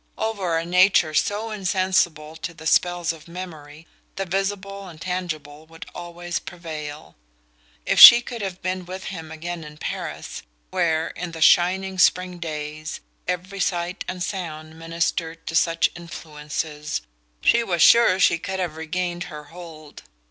Over a nature so insensible to the spells of memory, the visible and tangible would always prevail. If she could have been with him again in Paris, where, in the shining spring days, every sight and sound ministered to such influences, she was sure she could have regained her hold.